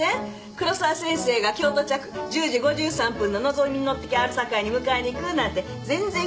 黒沢先生が京都着１０時５３分ののぞみに乗ってきはるさかいに迎えに行くなんて全然聞いてません。